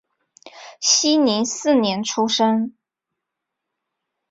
熙宁四年出生。